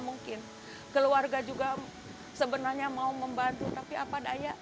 mungkin keluarga juga sebenarnya mau membantu tapi apa daya